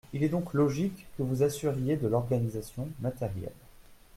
Il est donc logique que vous vous assuriez de l’organisation matérielle.